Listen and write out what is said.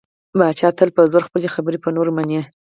پاچا تل په زور خپلې خبرې په نورو مني .